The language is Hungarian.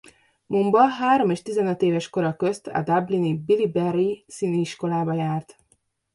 Mumba három- és tizenöt éves kora közt a dublini Billie Barry Színiiskolába járt.